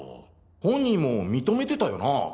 本人も認めてたよな？